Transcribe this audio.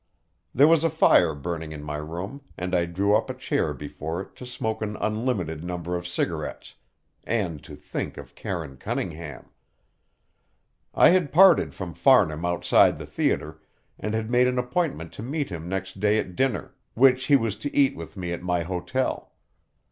There was a fire burning in my room, and I drew up a chair before it to smoke an unlimited number of cigarettes, and to think of Karine Cunningham. I had parted from Farnham outside the theatre, and had made an appointment to meet him next day at dinner, which he was to eat with me at my hotel.